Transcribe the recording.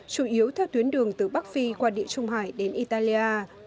chủ yếu theo tuyến đường từ bắc phi qua địa trung hải đến italia